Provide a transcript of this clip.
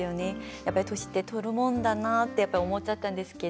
やっぱり年ってとるもんだなって思っちゃったんですけど